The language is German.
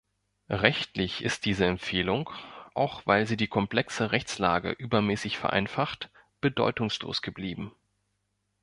Rechtlich ist diese Empfehlung, auch weil sie die komplexe Rechtslage übermäßig vereinfacht, bedeutungslos geblieben.